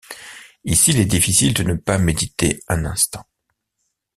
Ici il est difficile de ne pas méditer un instant.